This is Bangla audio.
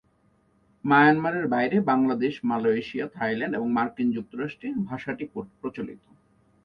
মায়ানমারের বাইরে বাংলাদেশ, মালয়েশিয়া, থাইল্যান্ড, এবং মার্কিন যুক্তরাষ্ট্রে ভাষাটি প্রচলিত।